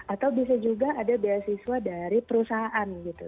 atau bisa juga ada beasiswa dari perusahaan gitu